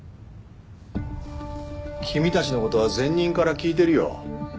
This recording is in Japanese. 君たちの事は前任から聞いてるよ。